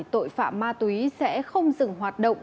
tội phạm ma túy sẽ không dừng hoạt động